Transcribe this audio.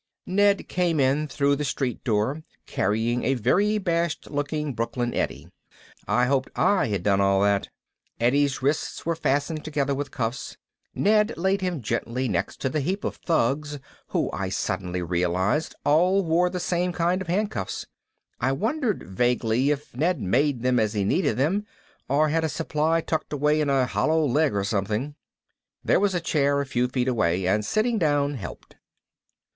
Ned came in through the street door carrying a very bashed looking Brooklyn Eddie. I hoped I had done all that. Eddie's wrists were fastened together with cuffs. Ned laid him gently next to the heap of thugs who I suddenly realized all wore the same kind of handcuffs. I wondered vaguely if Ned made them as he needed them or had a supply tucked away in a hollow leg or something. There was a chair a few feet away and sitting down helped.